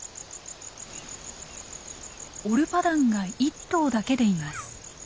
オルパダンが１頭だけでいます。